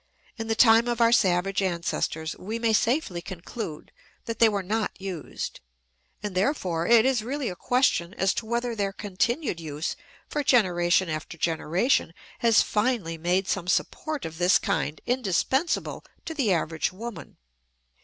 In the time of our savage ancestors we may safely conclude that they were not used; and, therefore, it is really a question as to whether their continued use for generation after generation has finally made some support of this kind indispensable to the average woman.